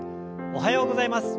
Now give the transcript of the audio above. おはようございます。